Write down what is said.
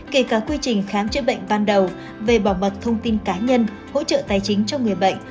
kể cả quy trình khám chữa bệnh ban đầu về bảo mật thông tin cá nhân hỗ trợ tài chính cho người bệnh